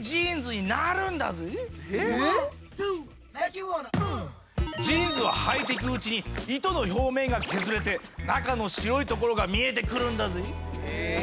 ジーンズははいていくうちに糸の表面が削れて中の白いところが見えてくるんだぜぇ！